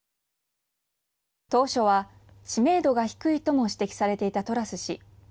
当初は知名度が低いとも指摘されていたトラス氏。